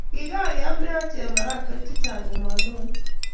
kigaiame ache marakwek chechang komaloit